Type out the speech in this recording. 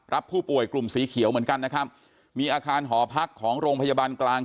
รับผู้ป่วยกลุ่มสีเขียวเหมือนกันนะครับมีอาคารหอพักของโรงพยาบาลกลาง